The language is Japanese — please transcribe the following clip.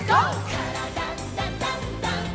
「からだダンダンダン」